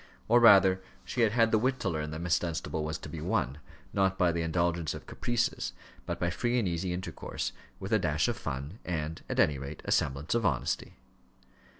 Or rather, she had had the wit to learn that Miss Dunstable was to be won, not by the indulgence of caprices, but by free and easy intercourse, with a dash of fun, and, at any rate, a semblance of honesty.